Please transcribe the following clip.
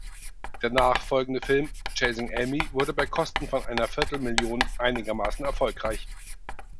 Der nachfolgende Film, Chasing Amy, wurde bei Kosten von einer viertel Million einigermaßen erfolgreich.